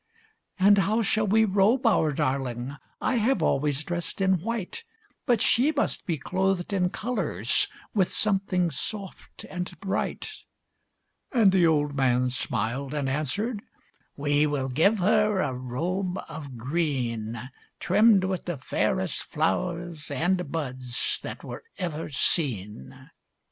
"And how shall we robe our darling? I have always dressed in white! But she must be clothed in colors With something soft, and bright." And the old man smiled and answered, "We will give her a robe of green; Trimmed with the fairest flowers, And buds, that were ever seen!"